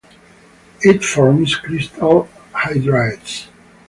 It forms crystal hydrates.